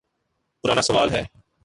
پرانا سوال ہے۔